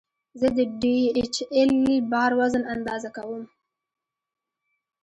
زه د ډي ایچ ایل بار وزن اندازه کوم.